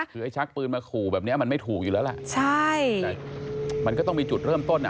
คือไอ้ชักปืนมาขู่แบบเนี้ยมันไม่ถูกอยู่แล้วล่ะใช่แต่มันก็ต้องมีจุดเริ่มต้นอ่ะ